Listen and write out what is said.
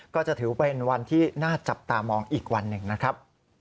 ก็จะถือเป็นวันที่น่าจับตามองอีกวันหนึ่งนะครับ